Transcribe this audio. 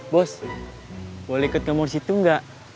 bos boleh ikut ngomong disitu enggak